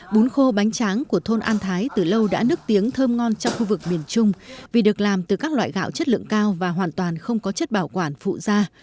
bún khô bánh tráng của thôn an thái từ lâu đã nức tiếng thơm ngon trong khu vực miền trung vì được làm từ các loại gạo chất lượng cao và hoàn toàn không có chất bảo quản phụ da